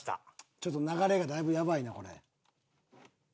ちょっと流れがだいぶやばいなこれ。